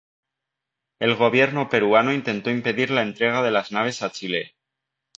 El gobierno peruano intentó impedir la entrega de las naves a Chile.